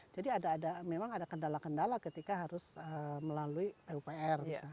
jadi memang ada kendala kendala ketika harus melalui pupr